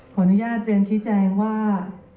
ขออนุญาตเรียนชี้แจงว่า